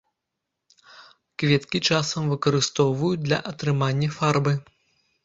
Кветкі часам выкарыстоўваюць для атрымання фарбы.